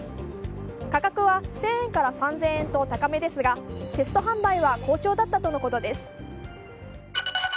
価格は１０００円から３０００円と高めですがテスト販売は好調だったとのことです。